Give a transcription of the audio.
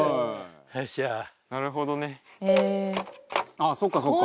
「あっそうかそうか」